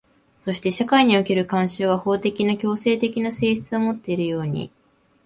そして社会における慣習が法的な強制的な性質をもっているように、